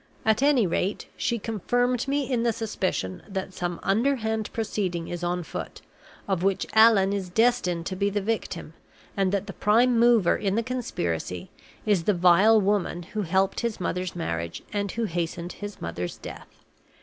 At any rate, she confirmed me in the suspicion that some underhand proceeding is on foot, of which Allan is destined to be the victim, and that the prime mover in the conspiracy is the vile woman who helped his mother's marriage and who hastened his mother's death.